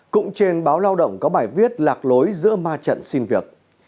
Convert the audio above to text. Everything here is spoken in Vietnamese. cũng trên báo lao động có bài viết lạc lối giữa ma trận xin việc